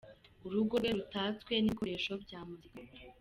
Urugo rwe rutatswe n’ibikoresho bya muzika.